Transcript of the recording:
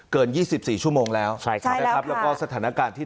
เกิน๒๔ชั่วโมงแล้วและก็สถานการณ์ที่